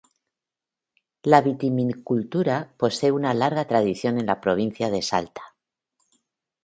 La vitivinicultura posee una larga tradición en la provincia de Salta.